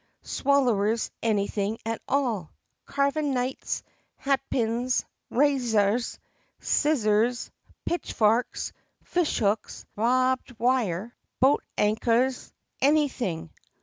Swallers anything at all! Carvin' knives, hat pins, ra zuhs, scis suhs, pitch fawks, fish hooks, bahbed wi uh, boat anchuhs — anything!